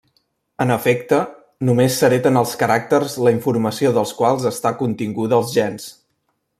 En efecte, només s'hereten els caràcters la informació dels quals està continguda als gens.